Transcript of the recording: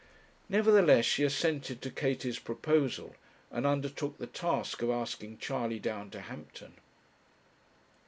Nevertheless she assented to Katie's proposal, and undertook the task of asking Charley down to Hampton.